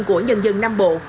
của nhân dân nam bộ